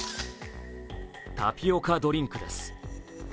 タピオカドリンクです。